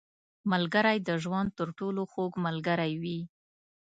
• ملګری د ژوند تر ټولو خوږ ملګری وي.